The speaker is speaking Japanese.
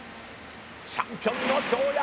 チャンピオンの跳躍！